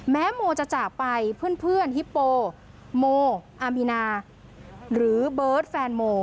โมจะจากไปเพื่อนฮิปโปโมอามีนาหรือเบิร์ตแฟนโม